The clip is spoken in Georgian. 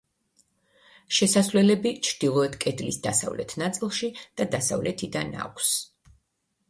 შესასვლელები ჩრდილოეთ კედლის დასავლეთ ნაწილში და დასავლეთიდან აქვს.